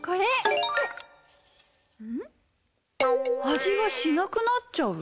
「味がしなくなっちゃう」？